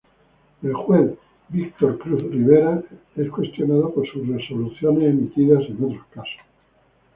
El juez Víctor Cruz Rivera es cuestionado por sus resoluciones emitidas en otros casos.